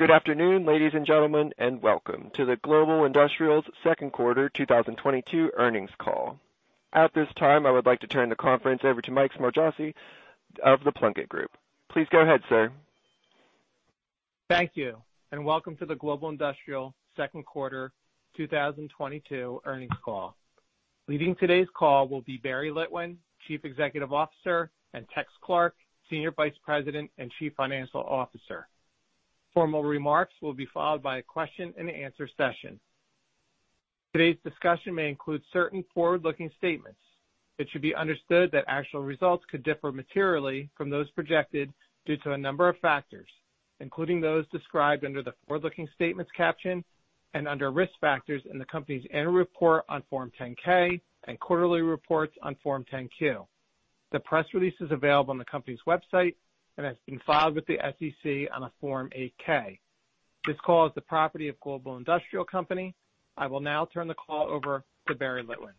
Good afternoon, ladies and gentlemen, and welcome to the Global Industrial second quarter 2022 earnings call. At this time, I would like to turn the conference over to Mike Smargiassi of The Plunkett Group. Please go ahead, sir. Thank you, and welcome to the Global Industrial Company second quarter 2022 earnings call. Leading today's call will be Barry Litwin, Chief Executive Officer, and Tex Clark, Senior Vice President and Chief Financial Officer. Formal remarks will be followed by a question-and-answer session. Today's discussion may include certain forward-looking statements. It should be understood that actual results could differ materially from those projected due to a number of factors, including those described under the forward-looking statements caption and under Risk Factors in the company's annual report on Form 10-K and quarterly reports on Form 10-Q. The press release is available on the company's website and has been filed with the SEC on a Form 8-K. This call is the property of Global Industrial Company. I will now turn the call over to Barry Litwin.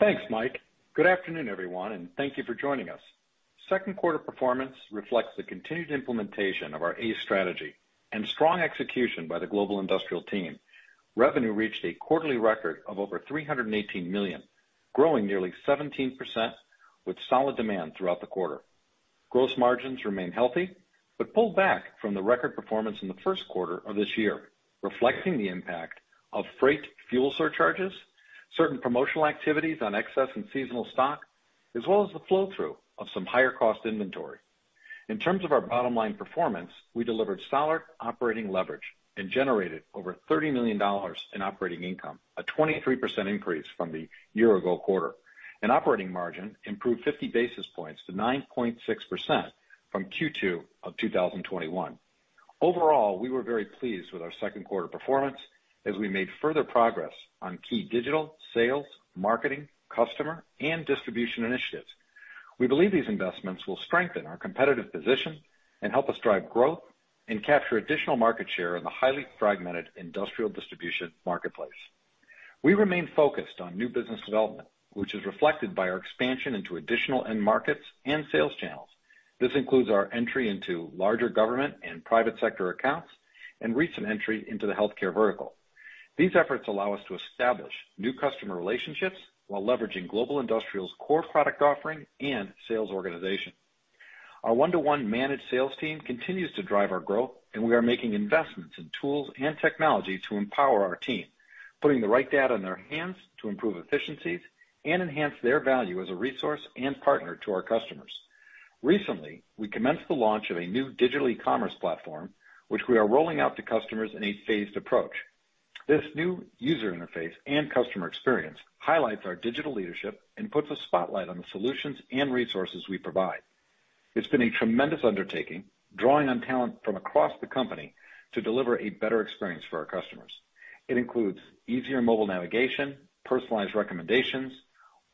Thanks, Mike. Good afternoon, everyone, and thank you for joining us. Second quarter performance reflects the continued implementation of our ACE strategy and strong execution by the Global Industrial team. Revenue reached a quarterly record of over $318 million, growing nearly 17% with solid demand throughout the quarter. Gross margins remain healthy, but pulled back from the record performance in the first quarter of this year, reflecting the impact of freight fuel surcharges, certain promotional activities on excess and seasonal stock, as well as the flow-through of some higher cost inventory. In terms of our bottom-line performance, we delivered solid operating leverage and generated over $30 million in operating income, a 23% increase from the year ago quarter. Operating margin improved 50 basis points to 9.6% from Q2 of 2021. Overall, we were very pleased with our second quarter performance as we made further progress on key digital sales, marketing, customer, and distribution initiatives. We believe these investments will strengthen our competitive position and help us drive growth and capture additional market share in the highly fragmented industrial distribution marketplace. We remain focused on new business development, which is reflected by our expansion into additional end markets and sales channels. This includes our entry into larger government and private sector accounts and recent entry into the healthcare vertical. These efforts allow us to establish new customer relationships while leveraging Global Industrial Company's core product offering and sales organization. Our one-to-one managed sales team continues to drive our growth, and we are making investments in tools and technology to empower our team, putting the right data in their hands to improve efficiencies and enhance their value as a resource and partner to our customers. Recently, we commenced the launch of a new digital e-commerce platform, which we are rolling out to customers in a phased approach. This new user interface and customer experience highlights our digital leadership and puts a spotlight on the solutions and resources we provide. It's been a tremendous undertaking, drawing on talent from across the company to deliver a better experience for our customers. It includes easier mobile navigation, personalized recommendations,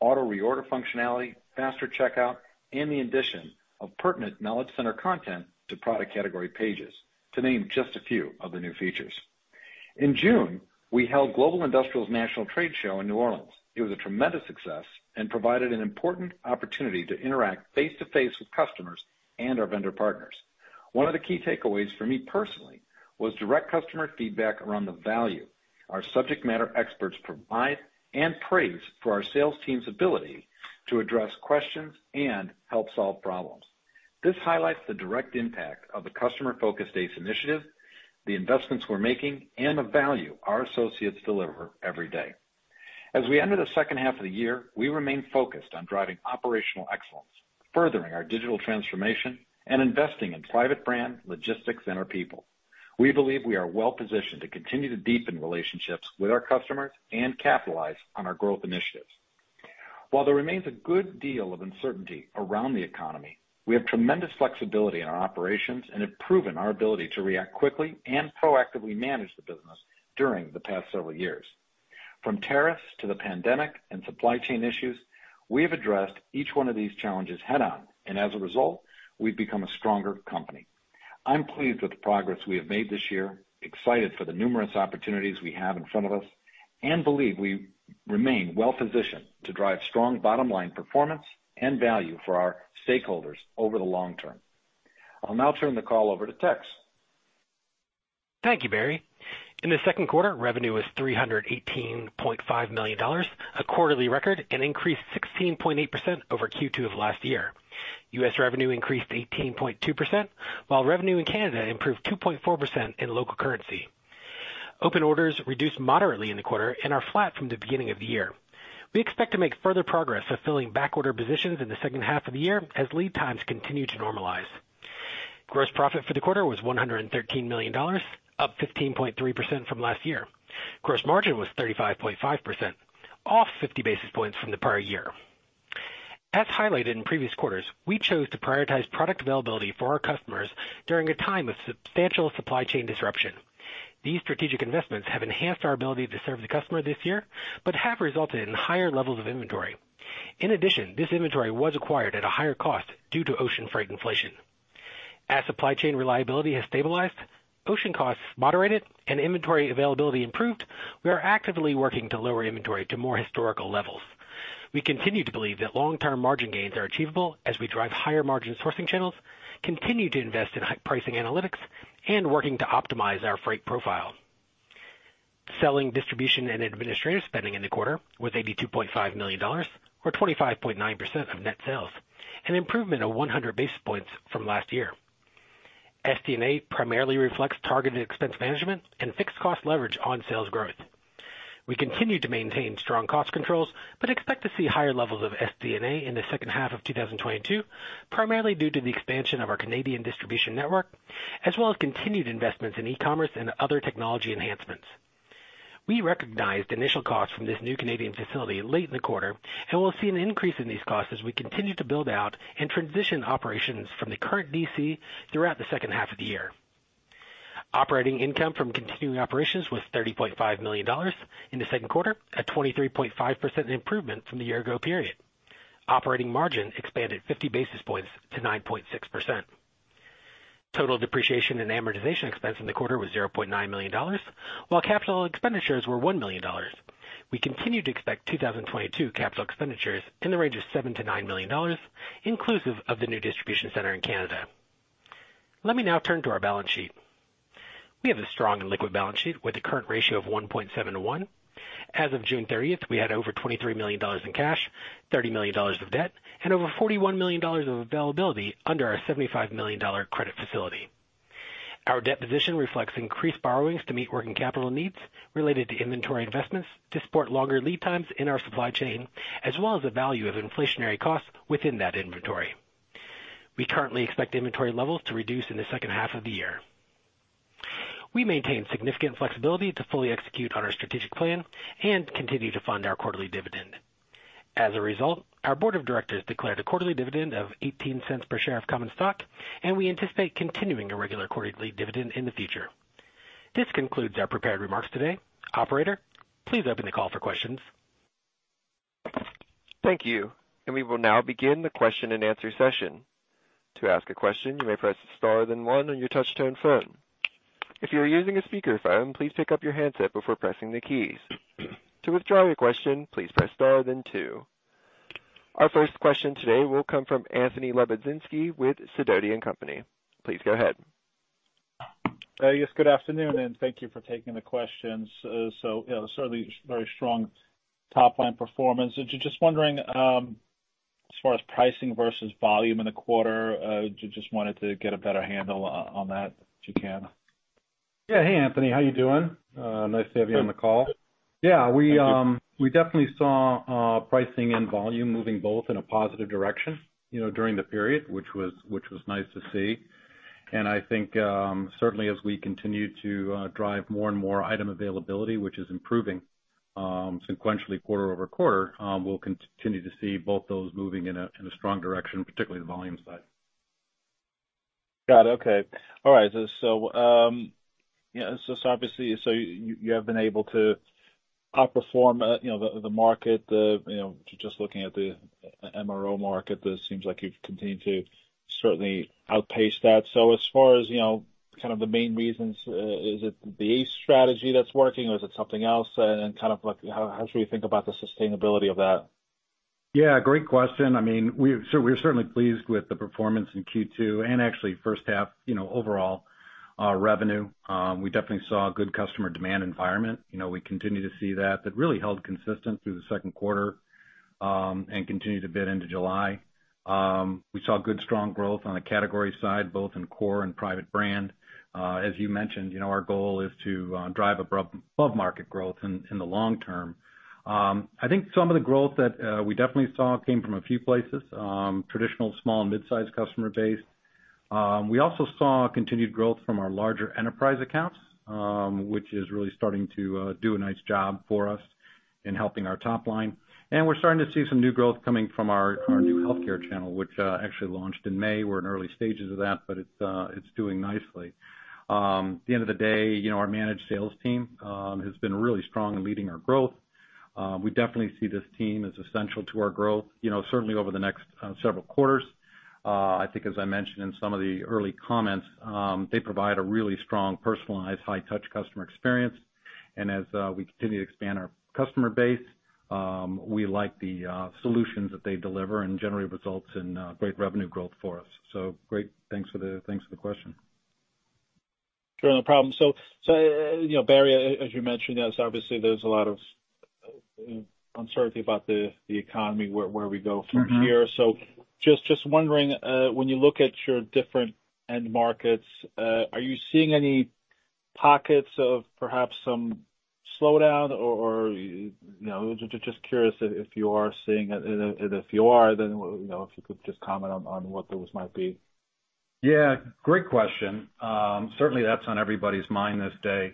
auto reorder functionality, faster checkout, and the addition of pertinent knowledge center content to product category pages, to name just a few of the new features. In June, we held Global Industrial's National Trade Show in New Orleans. It was a tremendous success and provided an important opportunity to interact face-to-face with customers and our vendor partners. One of the key takeaways for me personally was direct customer feedback around the value our subject matter experts provide, and praise for our sales team's ability to address questions and help solve problems. This highlights the direct impact of the customer-focused ACE initiative, the investments we're making, and the value our associates deliver every day. As we enter the second half of the year, we remain focused on driving operational excellence, furthering our digital transformation, and investing in private brand logistics and our people. We believe we are well-positioned to continue to deepen relationships with our customers and capitalize on our growth initiatives. While there remains a good deal of uncertainty around the economy, we have tremendous flexibility in our operations and have proven our ability to react quickly and proactively manage the business during the past several years. From tariffs to the pandemic and supply chain issues, we have addressed each one of these challenges head on, and as a result, we've become a stronger company. I'm pleased with the progress we have made this year, excited for the numerous opportunities we have in front of us, and believe we remain well-positioned to drive strong bottom-line performance and value for our stakeholders over the long-term. I'll now turn the call over to Tex. Thank you, Barry. In the second quarter, revenue was $318.5 million, a quarterly record, and increased 16.8% over Q2 of last year. U.S. revenue increased 18.2%, while revenue in Canada improved 2.4% in local currency. Open orders reduced moderately in the quarter and are flat from the beginning of the year. We expect to make further progress fulfilling back order positions in the second half of the year as lead times continue to normalize. Gross profit for the quarter was $113 million, up 15.3% from last year. Gross margin was 35.5%, off 50 basis points from the prior year. As highlighted in previous quarters, we chose to prioritize product availability for our customers during a time of substantial supply chain disruption. These strategic investments have enhanced our ability to serve the customer this year, but have resulted in higher levels of inventory. In addition, this inventory was acquired at a higher cost due to ocean freight inflation. As supply chain reliability has stabilized, ocean costs moderated, and inventory availability improved, we are actively working to lower inventory to more historical levels. We continue to believe that long-term margin gains are achievable as we drive higher margin sourcing channels, continue to invest in high pricing analytics, and working to optimize our freight profile. Selling, general, and administrative spending in the quarter was $82.5 million, or 25.9% of net sales, an improvement of 100 basis points from last year. SG&A primarily reflects targeted expense management and fixed cost leverage on sales growth. We continue to maintain strong cost controls, but expect to see higher levels of SG&A in the second half of 2022, primarily due to the expansion of our Canadian distribution network, as well as continued investments in e-commerce and other technology enhancements. We recognized initial costs from this new Canadian facility late in the quarter, and we'll see an increase in these costs as we continue to build out and transition operations from the current DC throughout the second half of the year. Operating income from continuing operations was $30.5 million in the second quarter, a 23.5% improvement from the year ago period. Operating margin expanded 50 basis points to 9.6%. Total depreciation and amortization expense in the quarter was $0.9 million, while capital expenditures were $1 million. We continue to expect 2022 capital expenditures in the range of $7 million-$9 million, inclusive of the new distribution center in Canada. Let me now turn to our balance sheet. We have a strong and liquid balance sheet with a current ratio of 1.7 to 1. As of June 30th, we had over $23 million in cash, $30 million of debt, and over $41 million of availability under our $75 million credit facility. Our debt position reflects increased borrowings to meet working capital needs related to inventory investments to support longer lead times in our supply chain, as well as the value of inflationary costs within that inventory. We currently expect inventory levels to reduce in the second half of the year. We maintain significant flexibility to fully execute on our strategic plan and continue to fund our quarterly dividend. As a result, our board of directors declared a quarterly dividend of $0.18 per share of common stock, and we anticipate continuing a regular quarterly dividend in the future. This concludes our prepared remarks today. Operator, please open the call for questions. Thank you. We will now begin the question-and-answer session. To ask a question, you may press star then one on your touchtone phone. If you are using a speakerphone, please pick up your handset before pressing the keys. To withdraw your question, please press star then two. Our first question today will come from Anthony Lebiedzinski with Sidoti & Company. Please go ahead. Yes, good afternoon, and thank you for taking the questions. Certainly very strong top line performance. Just wondering, as far as pricing versus volume in the quarter, just wanted to get a better handle on that if you can. Yeah. Hey, Anthony, how you doing? Nice to have you on the call. Yeah, we definitely saw pricing and volume moving both in a positive direction, you know, during the period which was nice to see. I think certainly as we continue to drive more and more item availability, which is improving sequentially quarter-over-quarter, we'll continue to see both those moving in a strong direction, particularly the volume side. Got it. Okay. All right. Obviously, so you have been able to outperform the market. Just looking at the MRO market, it seems like you've continued to certainly outpace that. As far as the main reasons, is it the ACE strategy that's working or is it something else? How should we think about the sustainability of that? Yeah, great question. I mean, we're certainly pleased with the performance in Q2 and actually first half overall, revenue. We definitely saw a good customer demand environment. You know, we continue to see that. That really held consistent through the second quarter, and continued a bit into July. We saw good, strong growth on the category side, both in core and private brand. As you mentioned, you know, our goal is to drive above market growth in the long-term. I think some of the growth that we definitely saw came from a few places, traditional small and mid-sized customer base. We also saw continued growth from our larger enterprise accounts, which is really starting to do a nice job for us in helping our top line. We're starting to see some new growth coming from our new healthcare channel, which actually launched in May. We're in early stages of that, but it's doing nicely. At the end of the day, you know, our managed sales team has been really strong in leading our growth. We definitely see this team as essential to our growth, you know, certainly over the next several quarters. I think as I mentioned in some of the early comments, they provide a really strong, personalized, high touch customer experience. As we continue to expand our customer base, we like the solutions that they deliver and generate results in great revenue growth for us. Great. Thanks for the question. Sure, no problem. You know, Barry, as you mentioned, obviously there's a lot of uncertainty about the economy, where we go from here. Just wondering when you look at your different end markets, are you seeing any pockets of perhaps some slowdown or, you know, just curious if you are seeing it. If you are, then, you know, if you could just comment on what those might be. Yeah, great question. Certainly that's on everybody's mind this day,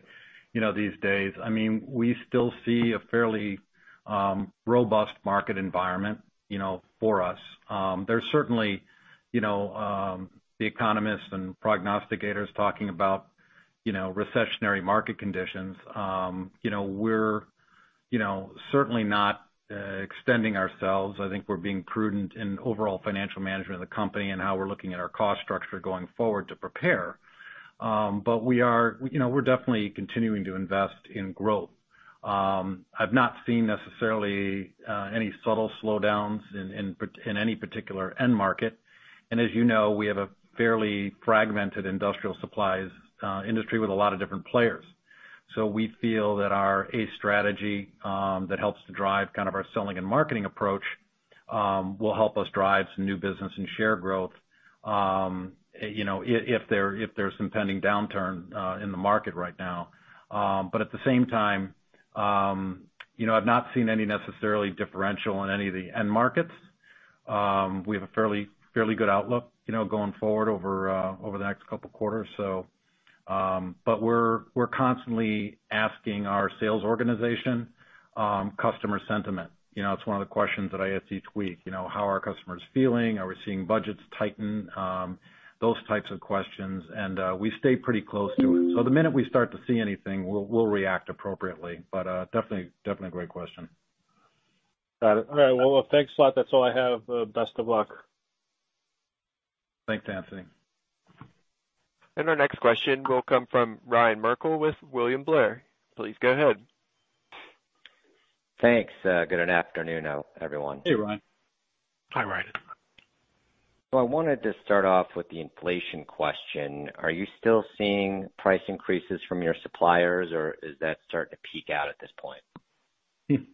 you know, these days. I mean, we still see a fairly robust market environment, you know, for us. There's certainly, you know, the economists and prognosticators talking about, you know, recessionary market conditions. You know, we're certainly not extending ourselves. I think we're being prudent in overall financial management of the company and how we're looking at our cost structure going forward to prepare. We're definitely continuing to invest in growth. I've not seen necessarily any subtle slowdowns in any particular end market. As you know, we have a fairly fragmented industrial supplies industry with a lot of different players. We feel that our ACE strategy that helps to drive kind of our selling and marketing approach will help us drive some new business and share growth, you know, if there's some pending downturn in the market right now. At the same time, you know, I've not seen any necessarily differential in any of the end markets. We have a fairly good outlook, you know, going forward over the next couple quarters. We're constantly asking our sales organization customer sentiment. You know, it's one of the questions that I ask each week. You know, how are customers feeling? Are we seeing budgets tighten? Those types of questions, and we stay pretty close to it. The minute we start to see anything, we'll react appropriately, but definitely a great question. Got it. All right, well, thanks a lot. That's all I have. Best of luck. Thanks, Anthony. Our next question will come from Ryan Merkel with William Blair. Please go ahead. Thanks. Good afternoon, everyone. Hey, Ryan. Hi, Ryan. I wanted to start off with the inflation question. Are you still seeing price increases from your suppliers, or is that starting to peak out at this point?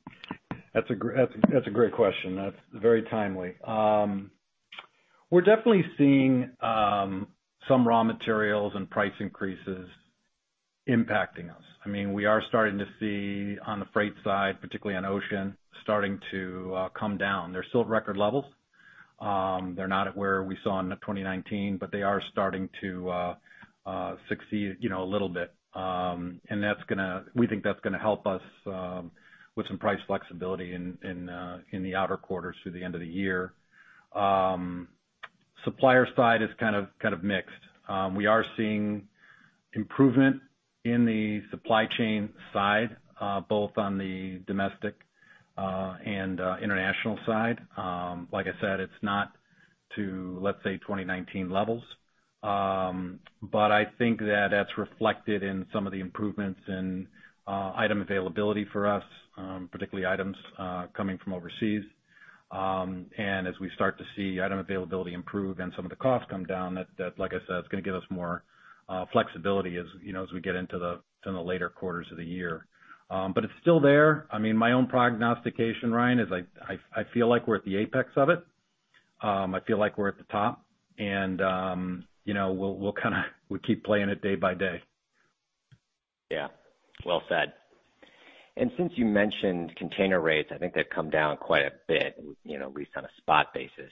That's a great question. That's very timely. We're definitely seeing some raw materials and price increases impacting us. I mean, we are starting to see on the freight side, particularly on ocean, starting to come down. They're still at record levels. They're not at where we saw in 2019, but they are starting to recede, you know, a little bit. We think that's going to help us with some price flexibility in the latter quarters through the end of the year. Supplier side is kind of mixed. We are seeing improvement in the supply chain side both on the domestic and international side. Like I said, it's not back to, let's say, 2019 levels. I think that that's reflected in some of the improvements in item availability for us, particularly items coming from overseas. As we start to see item availability improve and some of the costs come down, that like I said, it's going to give us more flexibility as you know as we get into the later quarters of the year. It's still there. I mean, my own prognostication, Ryan, is I feel like we're at the apex of it. I feel like we're at the top, and you know, we'll kinda we keep playing it day by day. Yeah. Well said. Since you mentioned container rates, I think they've come down quite a bit, you know, at least on a spot basis.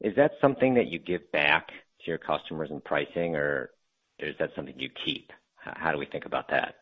Is that something that you give back to your customers in pricing, or is that something you keep? How do we think about that?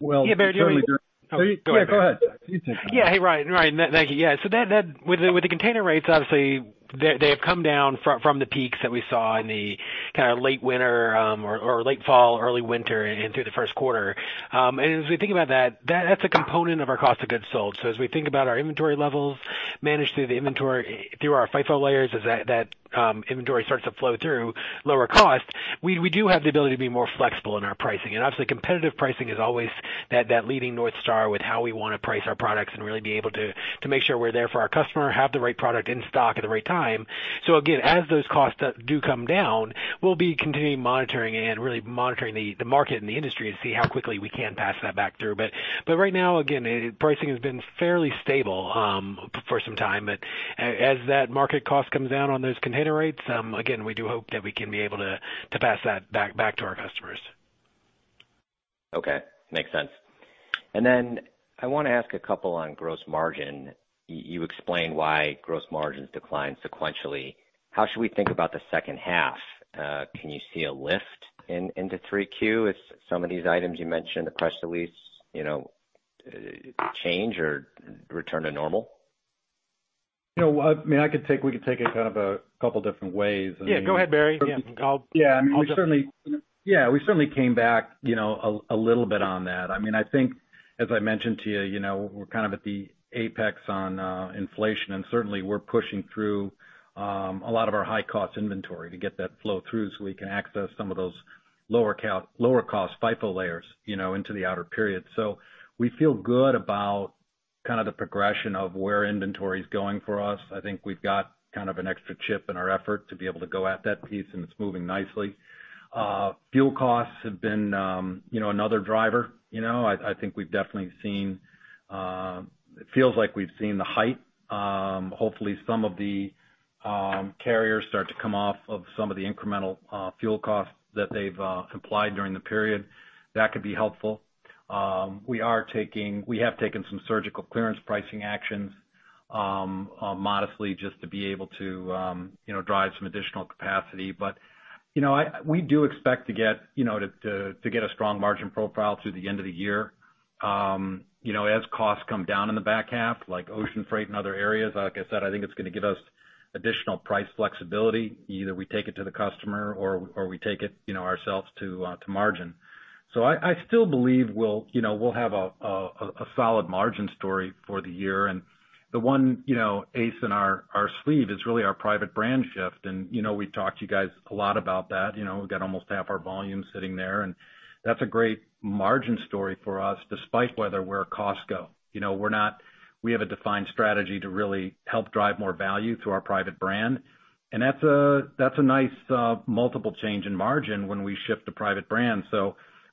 Yeah, Barry, do you want me to take it? Yeah, go ahead. You take that. Yeah. Hey, Ryan. Ryan, thank you. Yeah. That with the container rates, obviously they have come down from the peaks that we saw in the kinda late winter, or late fall, early winter and through the first quarter. As we think about that's a component of our cost of goods sold. As we think about our inventory levels, manage through the inventory, through our FIFO layers, as that inventory starts to flow through lower cost, we do have the ability to be more flexible in our pricing. Obviously, competitive pricing is always that leading north star with how we want to price our products and really be able to make sure we're there for our customer, have the right product in stock at the right time. Again, as those costs do come down, we'll be continuing monitoring and really monitoring the market and the industry to see how quickly we can pass that back through. Right now, again, pricing has been fairly stable for some time. As that market cost comes down on those container rates, again, we do hope that we can be able to pass that back to our customers. Okay. Makes sense. I want to ask a couple on gross margin. You explained why gross margins declined sequentially. How should we think about the second half? Can you see a lift into 3Q if some of these items you mentioned, the press release, you know, change or return to normal? You know, I mean, we could take it kind of a couple different ways. I mean Yeah, go ahead, Barry. Yeah. Yeah, we certainly came back, you know, a little bit on that. I mean, I think as I mentioned to you know, we're kind of at the apex on inflation, and certainly we're pushing through a lot of our high-cost inventory to get that flow through so we can access some of those lower cost FIFO layers, you know, into the latter period. We feel good about kind of the progression of where inventory's going for us. I think we've got kind of an extra chip in our effort to be able to go at that piece, and it's moving nicely. Fuel costs have been, you know, another driver. You know, I think we've definitely seen. It feels like we've seen the height. Hopefully, some of the carriers start to come off of some of the incremental fuel costs that they've complied during the period. That could be helpful. We have taken some surgical clearance pricing actions, modestly just to be able to, you know, drive some additional capacity. We do expect to get, you know, to get a strong margin profile through the end of the year. You know, as costs come down in the back half, like ocean freight and other areas, like I said, I think it's going to give us additional price flexibility. Either we take it to the customer or we take it, you know, ourselves to margin. I still believe we'll, you know, have a solid margin story for the year. The one, you know, ace in our sleeve is really our private brand shift. You know, we've talked to you guys a lot about that. You know, we've got almost half our volume sitting there, and that's a great margin story for us, despite whether we're a Costco. You know, we're not. We have a defined strategy to really help drive more value through our private brand, and that's a nice multiple change in margin when we shift to private brand.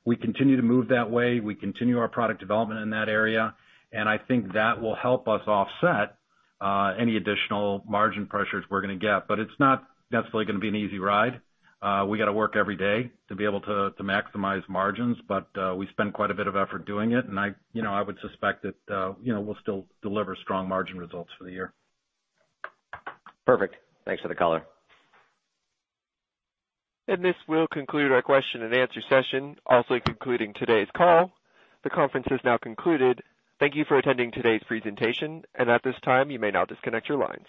We continue to move that way. We continue our product development in that area, and I think that will help us offset any additional margin pressures we're going to get. But it's not necessarily going to be an easy ride. We got to work every day to be able to maximize margins, but we spend quite a bit of effort doing it, and, you know, I would suspect that, you know, we'll still deliver strong margin results for the year. Perfect. Thanks for the color. This will conclude our question-and-answer session, also concluding today's call. The conference has now concluded. Thank you for attending today's presentation. At this time, you may now disconnect your lines.